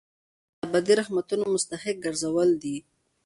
ځان د ابدي رحمتونو مستحق ګرځول دي.